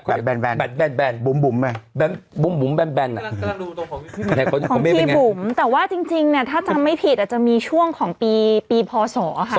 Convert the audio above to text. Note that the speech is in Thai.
กำลังดูตัวของพี่บุ๋มแต่ว่าจริงถ้าจำไม่ผิดจะมีช่วงของปีพศ